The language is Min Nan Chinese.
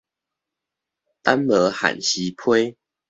等無限時批